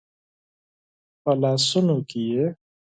په لاسونو کې یې